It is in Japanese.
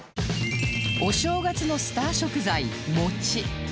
お正月のスター食材もち